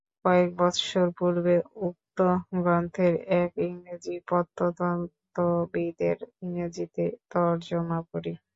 কয়েক বৎসর পূর্বে উক্ত গ্রন্থের এক ইংরেজ প্রত্নতত্ত্ববিদের ইংরেজীতে তর্জমা পড়ি।